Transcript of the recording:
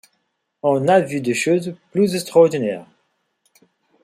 On a vu des choses plus extraordinaires !